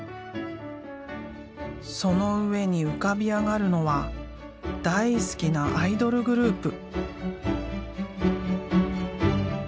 その上に浮かび上がるのは大好きなアイドルグループ。